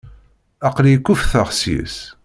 Aql-iyi kuffteɣ seg-k.